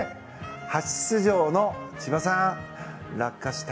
初出場の千葉さん、落下した。